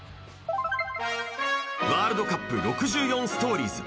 「ワールドカップ６４」ストーリーズ。